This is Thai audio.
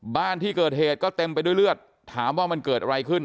บ้านที่เกิดเหตุก็เต็มไปด้วยเลือดถามว่ามันเกิดอะไรขึ้น